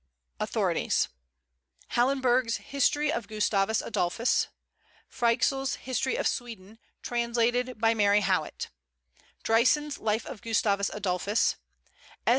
AUTHORITIES. Hallenberg's History of Gustavus Adolphus; Fryxell's History of Sweden, translated by Mary Howitt; Dreysen's Life of Gustavus Adolphus; S.